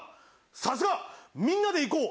さすが、みんなで行こう！